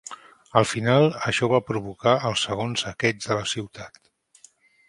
Al final, això va provocar el segon saqueig de la ciutat.